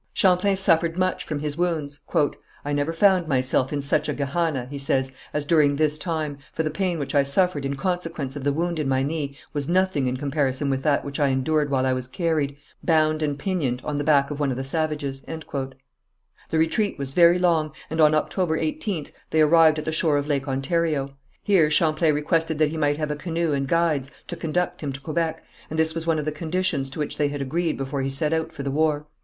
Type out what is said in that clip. Champlain suffered much from his wounds. "I never found myself in such a gehenna," he says, "as during this time, for the pain which I suffered in consequence of the wound in my knee was nothing in comparison with that which I endured while I was carried, bound and pinioned, on the back of one of the savages." The retreat was very long, and on October 18th they arrived at the shore of Lake Ontario. Here Champlain requested that he might have a canoe and guides to conduct him to Quebec, and this was one of the conditions to which they had agreed before he set out for the war.